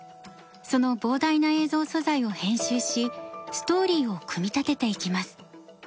その膨大な映像素材を編集しストーリーを組み立てていきます。